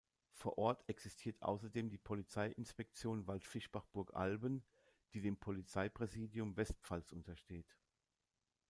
Vor Ort existiert außerdem die "Polizeiinspektion Waldfischbach-Burgalben", die dem Polizeipräsidium Westpfalz untersteht.